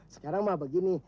sekarang mah begini